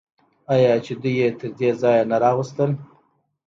آیا چې دوی یې تر دې ځایه نه راوستل؟